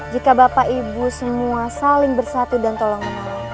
jika bapak ibu semua saling bersatu dan tolong menolak